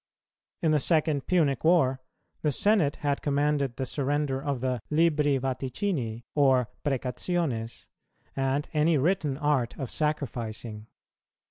In the second Punic war, the senate had commanded the surrender of the libri vaticini or precationes, and any written art of sacrificing.